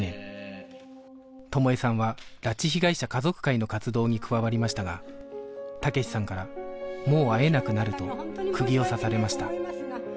友枝さんは拉致被害者家族会の活動に加わりましたが武志さんから「もう会えなくなる」と釘を刺されました